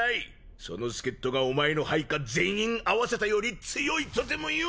その助っ人がお前の配下全員合わせたより強いとでもいうのか！？